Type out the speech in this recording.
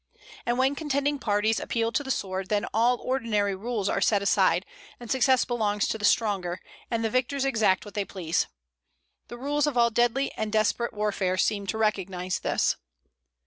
And when contending parties appeal to the sword, then all ordinary rules are set aside, and success belongs to the stronger, and the victors exact what they please. The rules of all deadly and desperate warfare seem to recognize this.